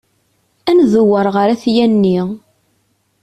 Ad ndewwer ɣer At Yanni.